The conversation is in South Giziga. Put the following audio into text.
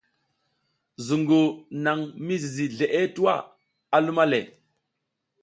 Zuƞgu naƞ mi zizi zleʼe tuwa, a luma le.